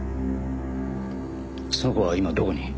その子は今どこに？